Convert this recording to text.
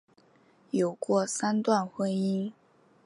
有过三段婚姻。